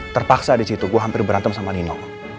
terpaksa disitu gue hampir berantem sama nino